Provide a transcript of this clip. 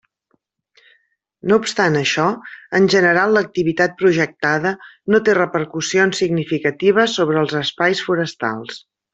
No obstant això, en general l'activitat projectada no té repercussions significatives sobre els espais forestals.